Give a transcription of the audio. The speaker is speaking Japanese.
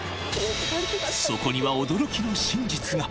そこには驚きの真実が。